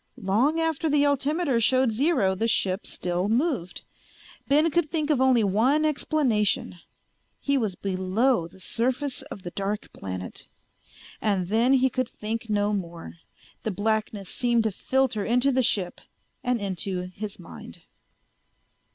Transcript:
Long after the altimeter showed zero the ship still moved. Ben could think of only one explanation: he was below the surface of the dark planet! And then he could think no more; the blackness seemed to filter into the ship and into his mind.